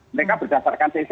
mereka berdasarkan cc